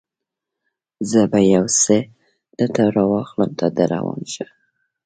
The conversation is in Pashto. زه به یو څه درته راواخلم، ته در روان شه.